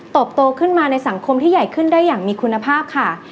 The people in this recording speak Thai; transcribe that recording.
โตขึ้นมาในสังคมที่ใหญ่ขึ้นได้อย่างมีคุณภาพค่ะ